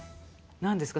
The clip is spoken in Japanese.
何ですか？